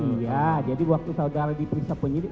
iya jadi waktu saudara diperiksa penyidik